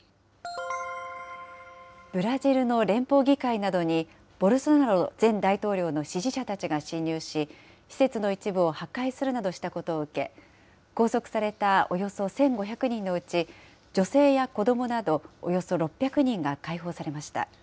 ブラジルの連邦議会などに、ボルソナロ前大統領の支持者たちが侵入し、施設の一部を破壊するなどしたことを受け、拘束されたおよそ１５００人のうち、女性や子どもなど、およそ６００人が解放されました。